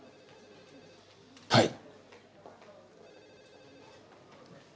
はい。